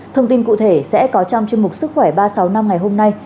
thông tin cụ thể sẽ có trong chương mục sức khỏe ba sáu năm ngày hôm nay